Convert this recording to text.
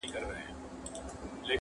ښکاري و ویل که خدای کول داغه دی-